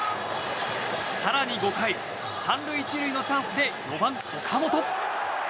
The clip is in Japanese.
更に５回、３塁１塁のチャンスで４番、岡本。